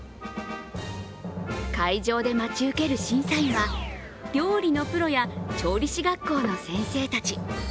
会場で待ち受ける審査員は料理のプロや調理師学校の先生たち。